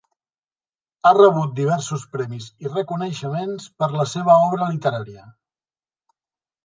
Ha rebut diversos premis i reconeixements per la seva obra literària.